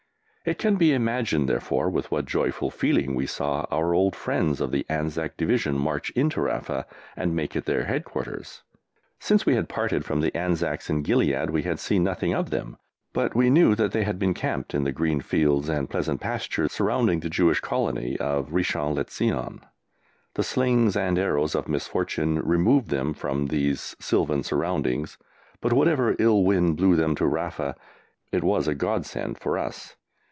It can be imagined, therefore, with what joyful feelings we saw our old friends of the Anzac Division march into Rafa and make it their headquarters. Since we had parted from the Anzacs in Gilead we had seen nothing of them, but we knew that they had been camped in the green fields and pleasant pastures surrounding the Jewish Colony of Richon le Zion. The slings and arrows of misfortunes removed them from these sylvan surroundings, but whatever ill wind blew them to Rafa it was a godsend for us.